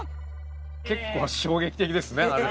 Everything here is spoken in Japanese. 結構衝撃的ですねああ